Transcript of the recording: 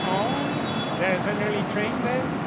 "Oh! there's an early train then?"